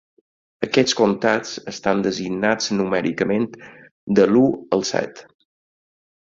Aquests comtats estan designats numèricament, de l'u al set.